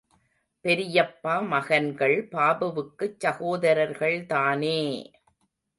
பெரியப்பா மகன்கள் பாபுவுக்குச் சகோதரர்கள் தானே!